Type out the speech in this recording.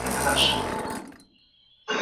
جهاني ماته مي نیکونو په سبق ښودلي